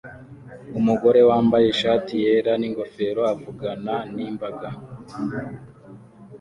Umugore wambaye ishati yera n'ingofero avugana n'imbaga